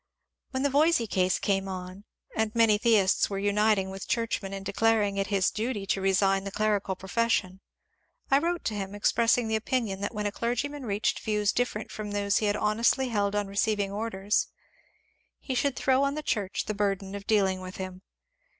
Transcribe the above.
When the Yoysey case came on, and many theists were uniting with churchmen in declaring it his duty to resign the clerical profession, I wrote to him expressing the opinion that when a clergyman reached views different from those he had honestly held on receiving orders, he should throw on the church the burden of dealing with him.